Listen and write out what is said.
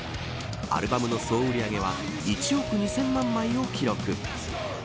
アルバムの総売り上げは１億２０００万枚を記録。